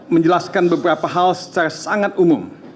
menjelaskan beberapa hal secara sangat umum